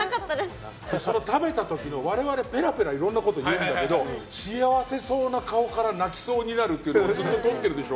食べた時、我々、ぺらぺらいろんなこと言うんだけど幸せそうな顔から泣きそうになるというのをずっと撮ってるでしょ。